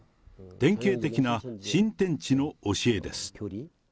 典型的な新天地の教えです。